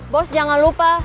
bos jangan lupa